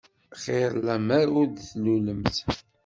Xir lemmer ur d-tlulemt.